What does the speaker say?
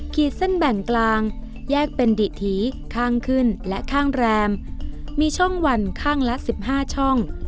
ขีดเส้นแบ่งกลางแยกเป็นดิถีข้างขึ้นและข้างแรมมีช่องวันข้างละ๑๕ช่อง